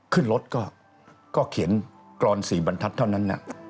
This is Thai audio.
ขึ้นรถก็เขียนกรอน๔บรรทัศน์เท่านั้น